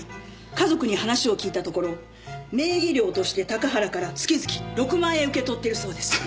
家族に話を聞いたところ名義料として高原から月々６万円受け取っているそうです。